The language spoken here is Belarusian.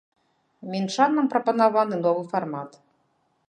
Мінчанам прапанаваны новы фармат.